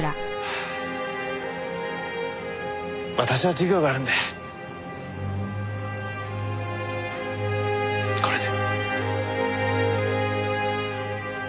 私は授業があるのでこれで。